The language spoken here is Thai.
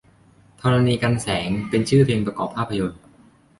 ธรณีกรรแสง เป็นชื่อเพลงประกอบภาพยนต์